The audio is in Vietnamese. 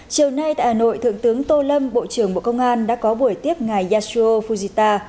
chiều nay tại hà nội thượng tướng tô lâm bộ trưởng bộ công an đã có buổi tiếp ngài yascho fujita